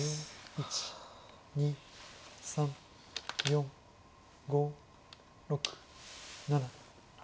１２３４５６７。